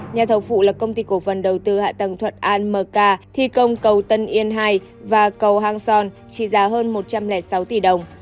nhà thầu phụ là công ty cổ phần đầu tư hạ tầng thuận an mk thi công cầu tân yên hai và cầu hang son trị giá hơn một trăm linh sáu tỷ đồng